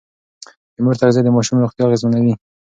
د مور تغذيه د ماشوم روغتيا اغېزمنوي.